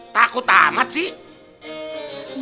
takut amat sih